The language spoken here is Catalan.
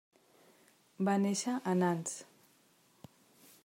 Va néixer a Nantes.